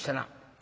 「え？」。